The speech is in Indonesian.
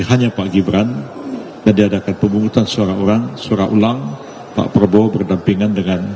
hanya pak gibran dan diadakan pemilu mutan suara ulang pak prabowo berdampingan dengan